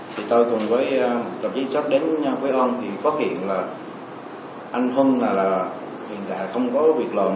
thì tôi cùng với đồng chí tên sát đến quế sơn thì phát hiện là anh hưng là hiện tại không có việc làm